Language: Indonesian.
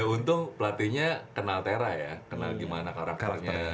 ya untung pelatihnya kenal tera ya kenal gimana karakternya